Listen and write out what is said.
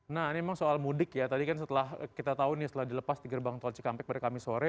nah ini memang soal mudik ya tadi kan setelah kita tahu nih setelah dilepas di gerbang tol cikampek pada kamis sore